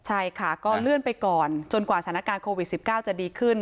ใช่ค่ะก็เลื่อนไปก่อนจนกว่าสถานการณ์โควิด๑๙จะดีขึ้น